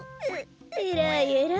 えらいえらい。